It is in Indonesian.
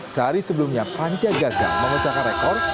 sehari sebelumnya panca gagal memecahkan rekor